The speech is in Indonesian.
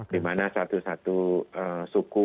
di mana satu satu suku